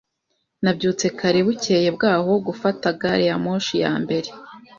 Nabyutse kare bukeye bwaho gufata gari ya moshi ya mbere.